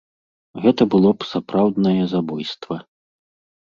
Гэта было б сапраўднае забойства.